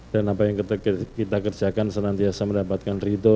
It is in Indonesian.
dan apa yang kita kerjakan senantiasa mendapatkan rido